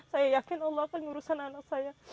saya yakin allah akan menguruskan anak saya